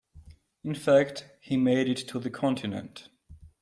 In fact, he made it to the continent.